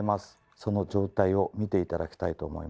その状態を見て頂きたいと思います。